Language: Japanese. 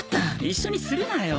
一緒にするなよ。